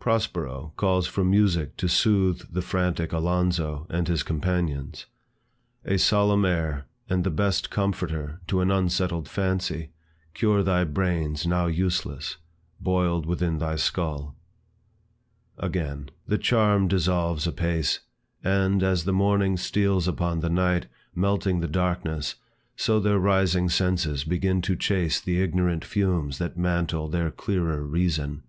Prospero calls for music to soothe the frantic Alonzo, and his companions; A solemn air, and the best comforter To an unsettled fancy, cure thy brains Now useless, boiled within thy skull. Again; The charm dissolves apace, And, as the morning steals upon the night, Melting the darkness, so their rising senses Begin to chase the ignorant fumes that mantle Their clearer reason.